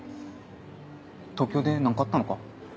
東京で何かあったのか？